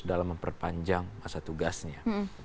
dalam memperpanjang masa tugasnya